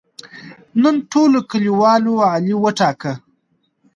نن ټولو کلیوالو علي وټاکه.